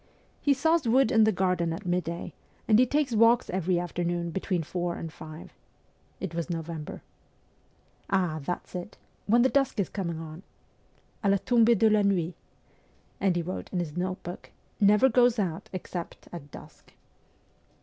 'He saws wood in the garden at midday, and he takes walks every afternoon between four and five.' It was in November. \' Ah, that's it ! When the dusk is coming on ?' (A la tombee de la nuit?) And he wrote in his note book, ' Never goes out except at dusk.'